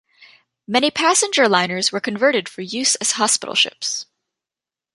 Many passenger liners were converted for use as hospital ships.